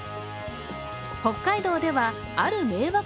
北海道ではある迷惑